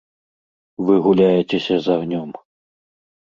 Вы гуляецеся з агнём.